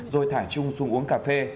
rồi thả trung xuống uống cà phê